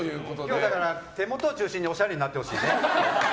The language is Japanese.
今日、手元を中心におしゃれになってほしいね。